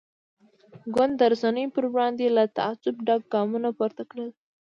ګوند د رسنیو پر وړاندې له تعصب ډک ګامونه پورته کړل.